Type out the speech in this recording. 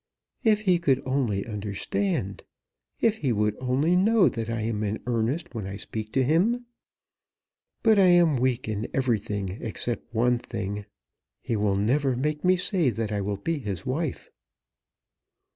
If he could only understand! If he would only know that I am in earnest when I speak to him! But I am weak in everything except one thing. He will never make me say that I will be his wife."